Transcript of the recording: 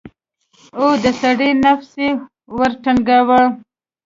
او د سړي نفس يې ورټنگاوه.